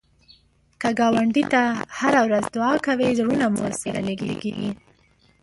که ګاونډي ته هره ورځ دعا کوې، زړونه مو سره نږدې کېږي